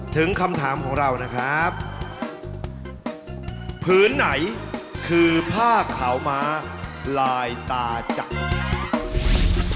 ปิดตาก่อนไม่ใช่ในอำเภอ